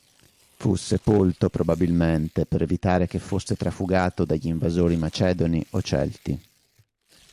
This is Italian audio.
Fu sepolto probabilmente per evitare che fosse trafugato dagli invasori Macedoni o Celti.